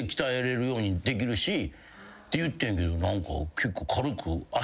って言ってんけど何か。